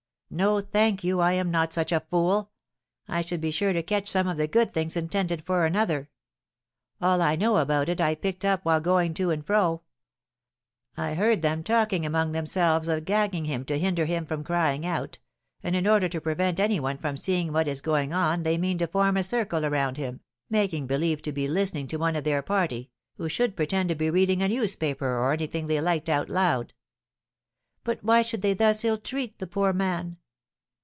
"No, thank you, I am not such a fool; I should be sure to catch some of the good things intended for another. All I know about it I picked up while going to and fro. I heard them talking among themselves of gagging him to hinder him from crying out, and in order to prevent any one from seeing what is going on they mean to form a circle around him, making believe to be listening to one of their party, who should pretend to be reading a newspaper or anything they liked out loud." "But why should they thus ill treat the poor man?"